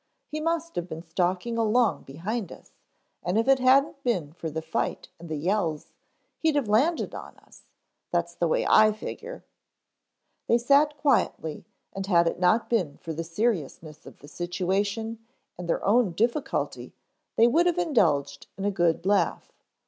He must have been stalking along behind us and if it hadn't been for the fight and the yells, he'd have landed on us. That's the way I figure." They sat quietly and had it not been for the seriousness of the situation and their own difficulty they would have indulged in a good laugh.